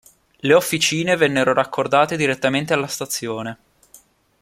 Le officine vennero raccordate direttamente alla stazione.